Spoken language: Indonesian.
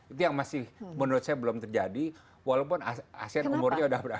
itu yang masih menurut saya belum terjadi walaupun asean umurnya sudah berakhir